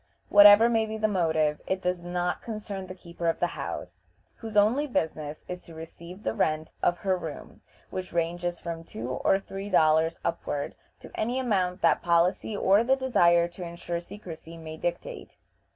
Whatever may be the motive, it does not concern the keeper of the house, whose only business is to receive the rent of her room, which ranges from two or three dollars upward to any amount that policy or the desire to insure secrecy may dictate.